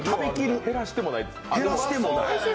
減らしてもない。